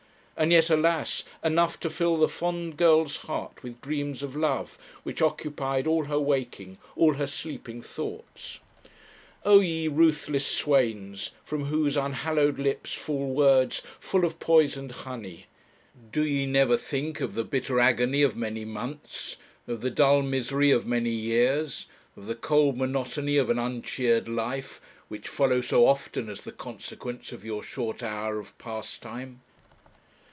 and yet, alas! enough to fill the fond girl's heart with dreams of love, which occupied all her waking, all her sleeping thoughts. Oh! ye ruthless swains, from whose unhallowed lips fall words full of poisoned honey, do ye never think of the bitter agony of many months, of the dull misery of many years, of the cold monotony of an uncheered life, which follow so often as the consequence of your short hour of pastime?